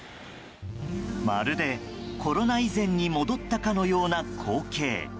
まるでコロナ以前に戻ったかのような光景。